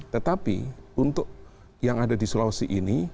tetapi untuk yang ada di sulawesi ini